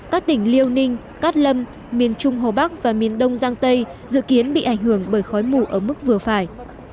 các tỉnh liêu ninh cát lâm miền trung hồ bắc và miền đông giang tây dự kiến bị ảnh hưởng bởi khói mù ở mức vừa phải